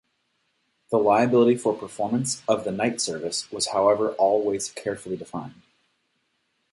The liability for performance of the knight-service was however always carefully defined.